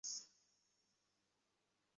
উল্লেখ্য যে, এ মতভেদ আসমানের বেলায়ও রয়েছে।